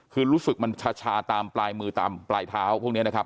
คือรู้สึกมันชาตามปลายมือตามปลายเท้าพวกนี้นะครับ